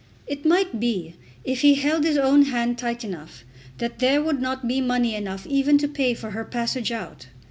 It might be, if he held his own hand tight enough, that there would not be money enough even to pay for her passage out.